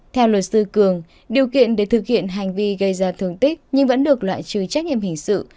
theo luật sư cường điều kiện để thực hiện hành vi gây ra thương tích nhưng vẫn được loại trừ trách nhiệm hình sự